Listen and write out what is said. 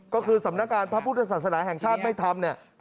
ก็คือสำนักการพระพุทธศาสนาแห่งชาติไม่ทำเนี่ย